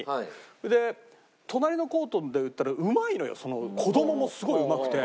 それで隣のコートで打ってたらうまいのよその子供もすごくうまくて。